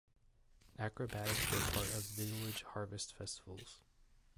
Acrobatics were part of village harvest festivals.